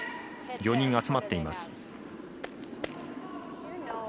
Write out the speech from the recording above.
４人、集まっています。